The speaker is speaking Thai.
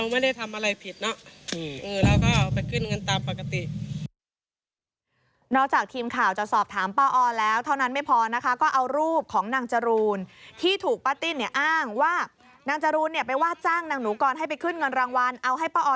ไม่มีเพราะว่าเราไม่ได้ทำอะไรผิดเนอะ